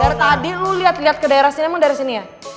hei dari tadi lo lihat ke daerah sini emang dari sini ya